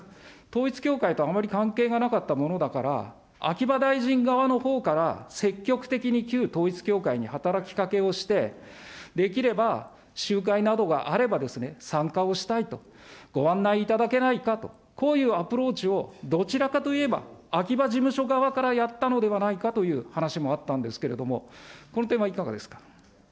統一教会とあまり関係がなかったものだから、秋葉大臣側のほうから積極的に旧統一教会に働きかけをして、できれば集会などがあればですね、参加をしたいと、ご案内いただけないかと、こういうアプローチを、どちらかといえば、秋葉事務所側からやったのではないかという話もあったんですけれども、この点はいかがですか。